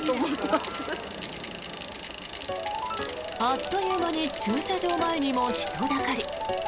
あっという間に駐車場前にも人だかり。